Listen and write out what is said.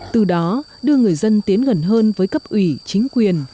từ đó đưa người dân tiến gần hơn với cấp ủy chính quyền